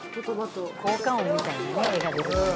効果音みたいにね絵が出るのも。